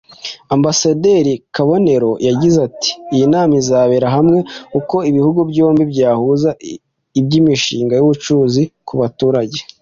Ambasaderi Kabonero yagize ati“Iyi nama izarebera hamwe uko ibihugu byombi byahuza iby’imishinga y’ubucuruzi ku baturage